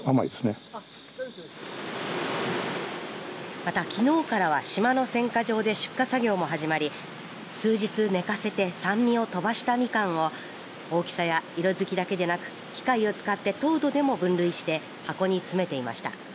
また、きのうからは島の選果場で出荷作業も始まり数日寝かせて酸味を飛ばしたみかんを大きさや色づきだけでなく機械を使って糖度でも分類して箱に詰めていました。